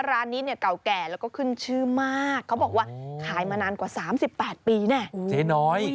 ร้านนี้เนี่ยเก่าแก่แล้วก็ขึ้นชื่อมากเขาบอกว่าขายมานานกว่า๓๘ปีแน่เจ๊น้อย